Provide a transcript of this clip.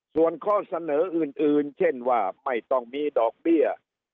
ส่วนข้อเสนออื่นเช่นว่าไม่ต้องมีดอกเบี้ย